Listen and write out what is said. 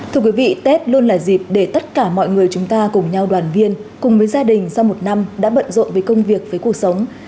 thưa quý vị tết luôn là dịp để tất cả mọi người chúng ta cùng nhau đoàn viên cùng với gia đình sau một năm đã bận rộn với công việc với cuộc sống